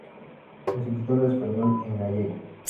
Escritor español en gallego.